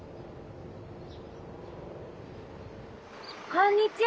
こんにちは。